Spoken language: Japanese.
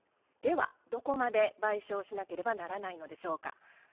ではどこまで賠償しなければならないのでしょうか。